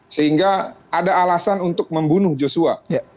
sehingga ada alasan untuk membunuh joshua